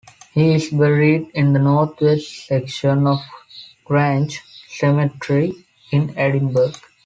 He is buried in the north-west section of Grange Cemetery in Edinburgh.